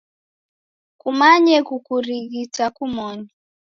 Kumanye kukurighita kumoni.